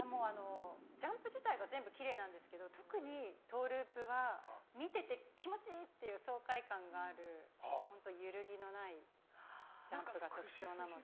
ジャンプ自体が全部きれいなんですけど特にトウループは、見てて気持ちいい！っていう爽快感ある揺るぎのないジャンプが特徴なので。